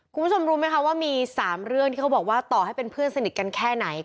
คุณผู้ชมรู้ไหมคะว่ามี๓เรื่องที่เขาบอกว่าต่อให้เป็นเพื่อนสนิทกันแค่ไหน